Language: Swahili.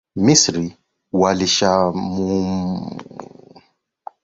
Misri walishambulia eneo la Afrika ya Kaskazini Mwanzoni hawakufaulu